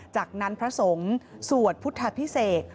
จากนั้นพระสงฆ์สวดพุทธพิเศษ